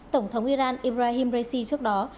tổng thống iran ibrahim raisi trước đó